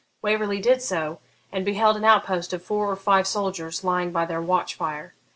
Waverley did so, and beheld an outpost of four or five soldiers lying by their watch fire.